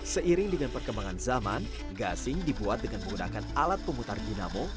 seiring dengan perkembangan zaman gasing dibuat dengan menggunakan alat pemutar dinamo